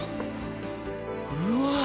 うわ。